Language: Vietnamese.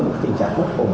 một tình trạng bất khổ